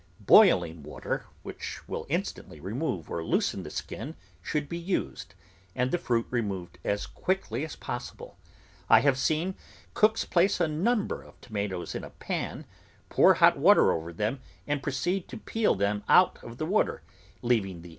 Boiling water, which will instantly remove or loosen the skin, should be used, and the fruit removed as quickly as possible. I have seen THE GROWING OF VARIOUS VEGETABLES cooks place a number of tomatoes in a pan, pour hot water over them, and proceed to peel them out of the water, leaving the